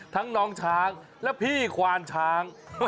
น้องช้างและพี่ควานช้าง